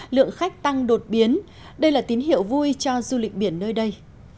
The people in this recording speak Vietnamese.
lượng khách tăng đột biến đây là tín hiệu vui cho du lịch biển nơi đây